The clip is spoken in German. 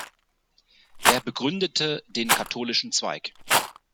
Er begründete den katholischen Zweig.